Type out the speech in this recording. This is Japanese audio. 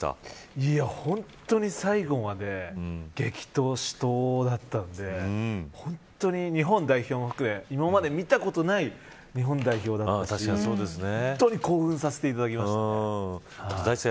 本当に最後まで激闘、死闘だったので日本代表も含め今まで見たことない日本代表だったし本当に興奮させていただきました。